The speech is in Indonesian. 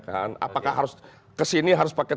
apakah harus kesini pakai